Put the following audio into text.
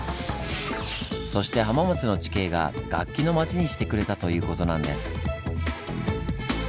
そして浜松の地形が楽器の町にしてくれたということなんです。